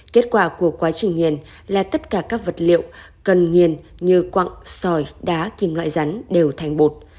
kết quả của quá trình hiền là tất cả các vật liệu cần nghiền như quặng sòi đá kim loại rắn đều thành bột